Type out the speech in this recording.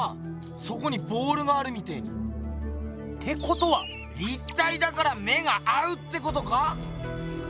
そこにボールがあるみてぇに。ってことは立体だから目が合うってことか？